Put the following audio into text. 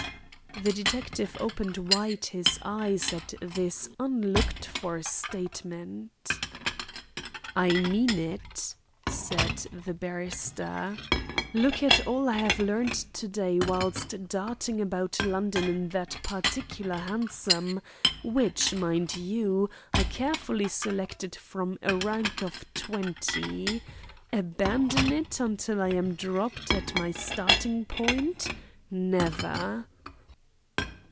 The detective opened wide his eyes at this unlooked for statement. "I mean it," said the barrister. "Look at all I have learnt to day whilst darting about London in that particular hansom, which, mind you, I carefully selected from a rank of twenty. Abandon it until I am dropped at my starting point! Never!"